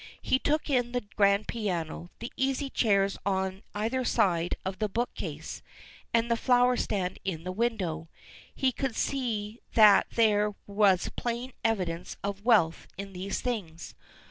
He took in the grand piano, the easy chairs on either side of the book case, and the flower stand in the window. He could see that there was plain evidence of wealth in these things.